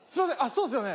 そうですよね。